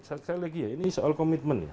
sekali lagi ya ini soal komitmen ya